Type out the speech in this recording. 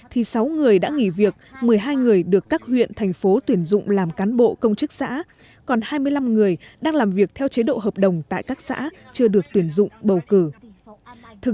thực chất là các huyện thành phố tuyển dụng làm cán bộ công chức xã còn hai mươi năm người đang làm việc theo chế độ hợp đồng tại các xã chưa được tuyển dụng bầu cử